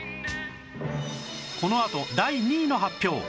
このあと第２位の発表